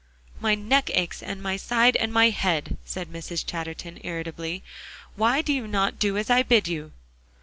"My neck aches, and my side, and my head," said Mrs. Chatterton irritably; "why do you not do as I bid you?"